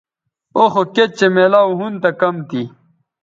او خو کِت چہء میلاو ھُن کم تھی